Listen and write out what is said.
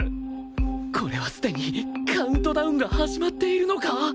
これはすでにカウントダウンが始まっているのか？